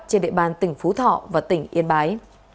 trên địa bàn tỉnh phú thọ và tỉnh yên bái